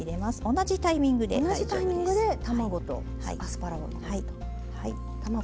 同じタイミングで卵とアスパラを。